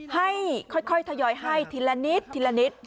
ให้ค่อยทยอยให้ทีละนิด